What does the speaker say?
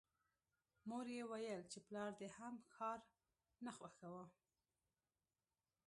مور یې ویل چې پلار دې هم ښار نه خوښاوه